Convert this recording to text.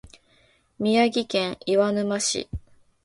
宮城県岩沼市